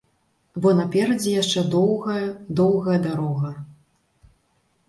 Бо наперадзе яшчэ доўгая, доўгая дарога.